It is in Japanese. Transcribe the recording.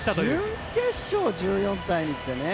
準決勝、１４対２ってね。